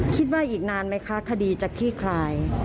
คิดว่าอีกนานไหมคะคดีจะคลี่คลาย